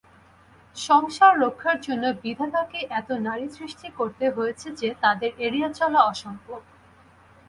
সংসাররক্ষার জন্যে বিধাতাকে এত নারী সৃষ্টি করতে হয়েছে যে তাঁদের এড়িয়ে চলা অসম্ভব।